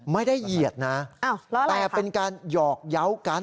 เหยียดนะแต่เป็นการหยอกเยาว์กัน